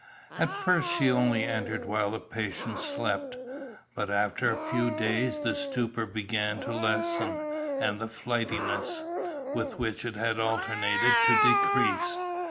At first she only entered while the patient slept, but after a few days the stupor began to lessen, and the flightiness, with which it had alternated, to decrease.